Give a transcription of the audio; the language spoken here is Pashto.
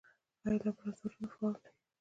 آیا لابراتوارونه فعال دي؟